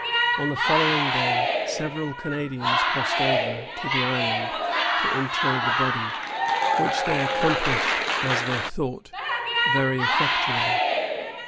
On the following day, several Canadians crossed over to the island to inter the body, which they accomplished, as they thought, very effectually.